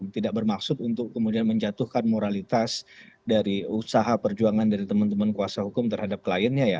tidak bermaksud untuk kemudian menjatuhkan moralitas dari usaha perjuangan dari teman teman kuasa hukum terhadap kliennya ya